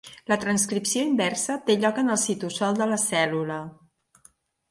La transcripció inversa té lloc en el citosol de la cèl·lula.